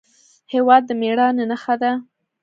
هېواد د مېړانې نښه ده.